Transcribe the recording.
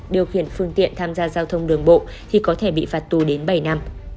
điều khiển phương tiện tham gia giao thông đường bộ thì có thể bị phạt tù đến bảy năm